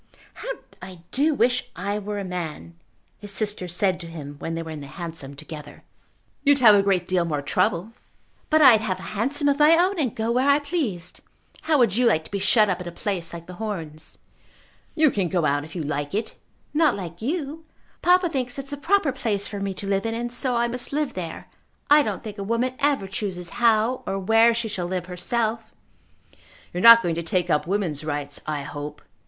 "How I do wish I were a man!" his sister said to him when they were in the hansom together. "You'd have a great deal more trouble." "But I'd have a hansom of my own, and go where I pleased. How would you like to be shut up at a place like The Horns?" "You can go out if you like it." "Not like you. Papa thinks it's the proper place for me to live in, and so I must live there. I don't think a woman ever chooses how or where she shall live herself." "You are not going to take up woman's rights, I hope."